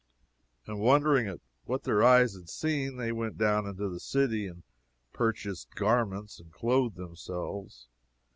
And wondering at what their eyes had seen, they went down into the city and purchased garments and clothed themselves.